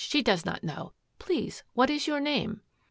She does not know. Please, what is your name?